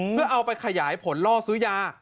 เพื่อเอาไปขยายผลล่อซื้อยา